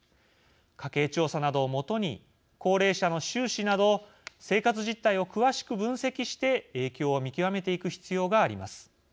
家計調査などを基に高齢者の収支など生活実態を詳しく分析して影響を見極めていく必要があります。